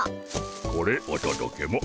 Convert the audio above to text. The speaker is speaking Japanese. これおとどけモ。